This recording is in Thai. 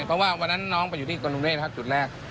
เพราะว่าวันนั้นน้องไปอยู่ที่กรุงเทพจุดแรก